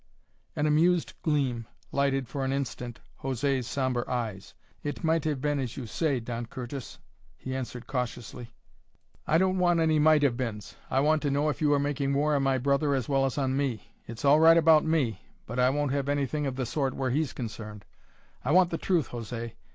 An amused gleam lighted for an instant José's sombre eyes. "It might have been as you say, Don Curtis," he answered cautiously. "I don't want any might have beens; I want to know if you are making war on my brother as well as on me. It's all right about me, but I won't have anything of the sort where he's concerned. I want the truth, José.